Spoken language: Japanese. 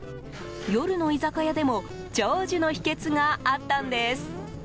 夜の居酒屋でも長寿の秘訣があったんです。